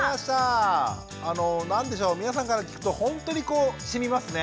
あの何でしょう皆さんから聞くとほんとにこうしみますね。ね